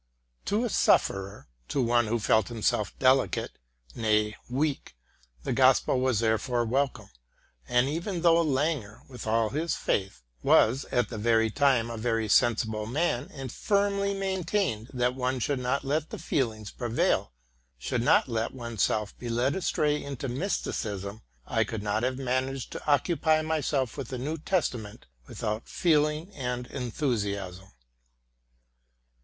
'To a sufferer, to one who felt himself delicate, nay, weak, the gospel was therefore wel come ; and even though Langer, with all his faith, was at the same time a very sensible man, and firmly maintained that one should not let the feelings prevail, should not let one's self be led astray into mysticism, I could not have managed to occupy myself with the New Testament without feeling and enthusiasm.